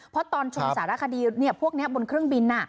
เพราะตอนชมสารคดีพวกนี้บนเครื่องบิน